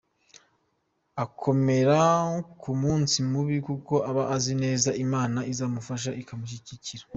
Akomera ku munsi mubi kuko aba azi neza ko Imana izamufasha ikamushyigikira,.